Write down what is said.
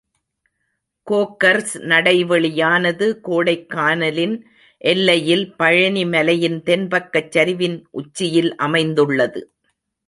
கோக்கர்ஸ் நடைவெளி யானது, கோடைக் கானலின் எல்லையில், பழனி மலையின் தென்பக்கச் சரிவின் உச்சியில் அமைந்துள்ளது.